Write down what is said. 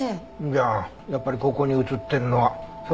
じゃあやっぱりここに映ってるのは兵働本人。